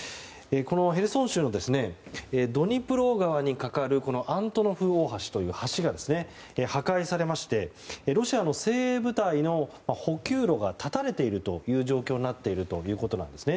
このヘルソン州のドニプロ川に架かるアントノフ大橋という橋が破壊されましてロシアの精鋭部隊の補給路が断たれている状況だということなんです。